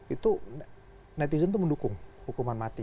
itu netizen itu mendukung hukuman mati